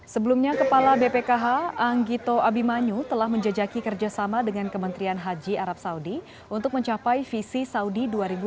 sebelumnya kepala bpkh anggito abimanyu telah menjajaki kerjasama dengan kementerian haji arab saudi untuk mencapai visi saudi dua ribu dua puluh